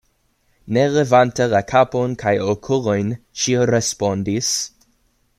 Ne levante la kapon kaj okulojn, ŝi respondis: